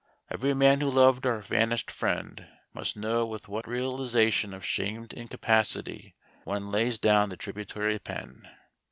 Every man who loved our vanished friend must know with what realization of shamed incapacity one lays down the tributary pen.